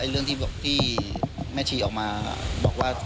เรื่องที่แม่ชีออกมาบอกว่า